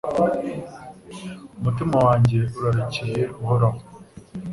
Umutima wanjye urarikiye Uhoraho